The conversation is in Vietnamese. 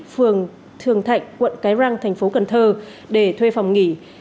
phường thường thạnh quận cái răng thành phố cần thơ để thuê phòng nghỉ